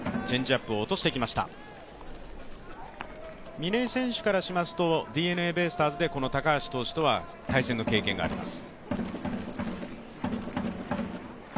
嶺井選手からしますとＤｅＮＡベイスターズでこの高橋投手とは対戦の経験があります。